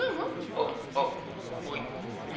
あっあっはい。